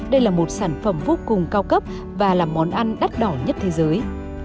đây là một sản phẩm vô cùng cao cấp và là món ăn đắt đỏ nhất thế giới